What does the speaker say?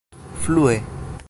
flue